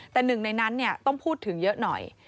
แต่๑ในนั้นเนี่ยต้องพูดถึงเยอะหน่อย